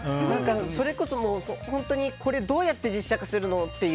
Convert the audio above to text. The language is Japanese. それこそ本当にどうやって実写化するの？っていう。